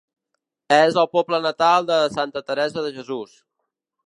És el poble natal de Santa Teresa de Jesús.